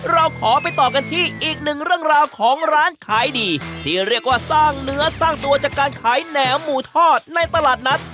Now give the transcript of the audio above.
เราขอไปต่อกันที่อีกหนึ่งเรื่องราวของร้านขายดีที่เรียกว่าสร้างเนื้อสร้างตัวจากการขายแหนมหมูทอดในตลาดนัด